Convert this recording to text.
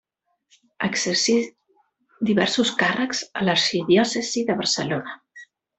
Exercí diversos càrrecs a l'arxidiòcesi de Barcelona.